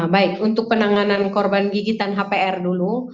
baik untuk penanganan korban gigitan hpr dulu